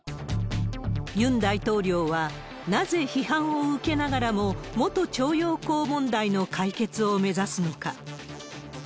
ユン大統領は、なぜ批判を受けながらも元徴用工問題の解決を目指すのか。